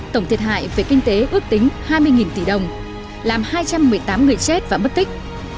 tổng thiệt hại về kinh tế ước tính hai mươi tỷ đồng làm hai trăm một mươi tám người chết và mất tích